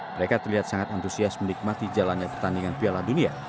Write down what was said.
mereka terlihat sangat antusias menikmati jalannya pertandingan piala dunia